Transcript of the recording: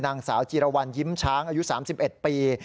นางสาวจีรวรรณยิ้มช้างอายุ๓๑ปี